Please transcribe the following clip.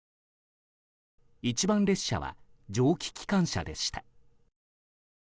一番列車は蒸気機関車でした。